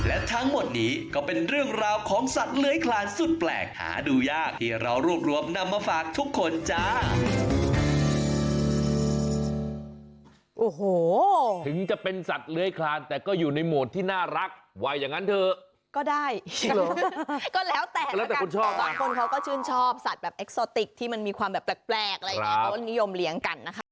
และทั้งหมดนี้ก็เป็นเรื่องราวของสัตว์เลื้อยคลานสุดแปลกหาดูยากที่เรารวบรวมนำมาฝากทุกคนจ้า